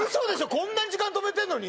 こんなに時間とめてるのに？